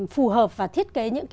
phù hợp và thiết kế những